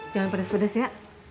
jangan pedes pedes ya